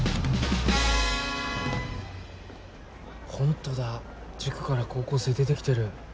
ホントだ塾から高校生出て来てる。